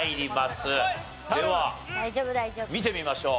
では見てみましょう。